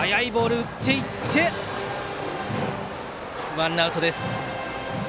ワンアウトです。